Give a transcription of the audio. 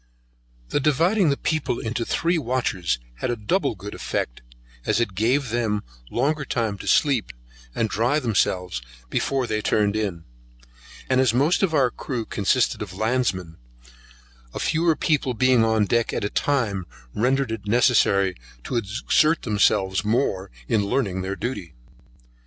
The dividing the people into three watches had a double good effect as it gave them longer time to sleep, and dry themselves before they turned in; and as most of our crew consisted of landsmen, the fewer people being on deck at a time, rendered it necessary to exert themselves more in learning their duty.